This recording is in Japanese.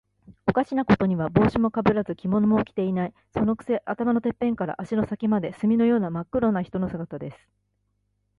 おかしなことには、帽子もかぶらず、着物も着ていない。そのくせ、頭のてっぺんから足の先まで、墨のようにまっ黒な人の姿です。